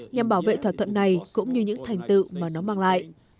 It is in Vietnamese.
nhằm bảo vệ thỏa thuận này cũng như những thành tựu mà nó mang lại